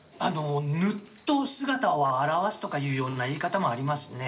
「ぬっと姿を現す」とかいうような言い方もありますね。